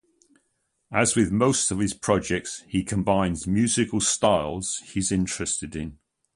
As with most of his projects he combines musical styles he's interested in.